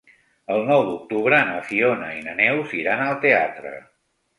El nou d'octubre na Fiona i na Neus iran al teatre.